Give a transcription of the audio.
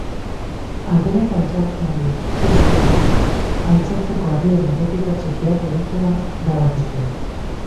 Harriak altxatzeari utzi zionean, altxatzeko harrien errepika txikiak egitea erabaki zuen.